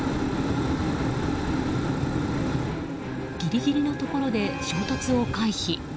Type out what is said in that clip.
ギリギリのところで衝突を回避。